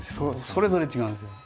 それぞれ違うんですよ。